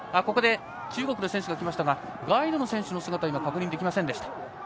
ここで中国の選手が来ましたがガイドの選手の姿は確認できませんでした。